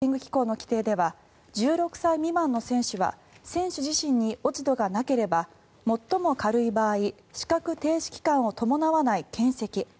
世界アンチ・ドーピング機構の規定では１６歳未満の選手は選手自身に落ち度がなければ最も軽い場合資格停止期間を伴わないけん責。